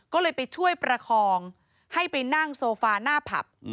ก็เลยไปช่วยประคองให้ไปนั่งโซฟาหน้าผับ